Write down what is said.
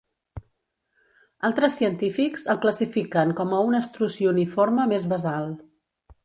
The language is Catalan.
Altres científics el classifiquen com a un estrucioniforme més basal.